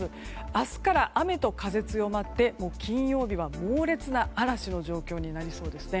明日から雨と風が強まって金曜日は猛烈な嵐の状況になりそうですね。